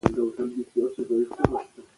د ماضي څېړنه د اوسني وخت له تاثیره خالي نه ده.